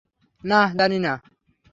নাহ, জানিনা।